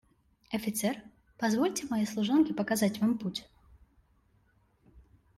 Офицер, позвольте моей служанке показать вам путь.